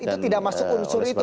itu tidak masuk unsur itu